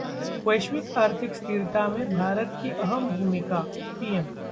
वैश्विक आर्थिक स्थिरता में भारत की अहम भूमिका: पीएम